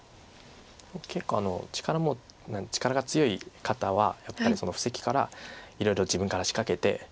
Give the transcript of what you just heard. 結構力が強い方はやっぱり布石からいろいろ自分から仕掛けて。